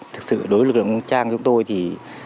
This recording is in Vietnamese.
thực sự đối với công trang chúng tôi thì